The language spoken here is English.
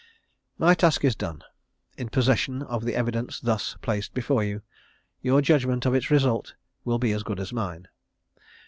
My task is done. In possession of the evidence thus placed before you, your judgment of its result will be as good as mine.